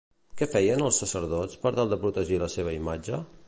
Què feien els sacerdots per tal de protegir la seva imatge?